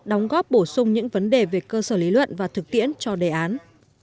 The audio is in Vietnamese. đóng góp bổ sung những vấn đề về cơ sở lý luận và thực tiễn cho đề án